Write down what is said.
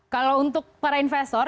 kalau untuk para investor